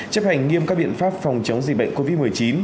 chấp hành nghiêm các biện pháp phòng chống dịch bệnh covid một mươi chín